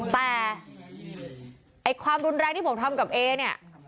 แต่ความรุนแรงที่ผมทำกับเอเนี่ย